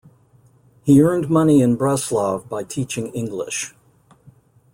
He earned money in Breslau by teaching English.